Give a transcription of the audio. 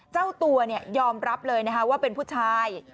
เจ้าตัวยอมรับเลยนะคะว่าเป็นผู้ชาย